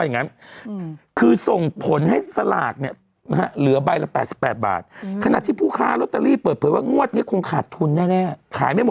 อืมอืมอืมอืมอืมอืมอืมอืมอืมอืมอืมอืมอืมอืมอืมอืมอืม